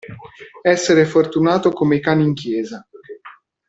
Essere fortunato come i cani in chiesa.